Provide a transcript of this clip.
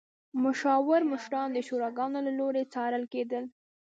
مشاور مشران د شوراګانو له لوري څارل کېدل.